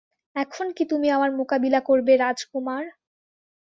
এখন কি তুমি আমার মোকাবিলা করবে, রাজকুমার।